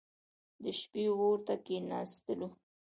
د شپې اور ته کښېنستلو.